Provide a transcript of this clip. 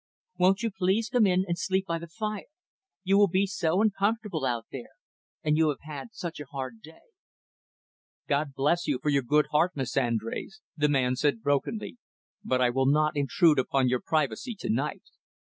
Won't you please come in and sleep by the fire? You will be so uncomfortable out there. And you have had such a hard day." "God bless you, for your good heart, Miss Andrés," the man said brokenly. "But I will not intrude upon your privacy to night.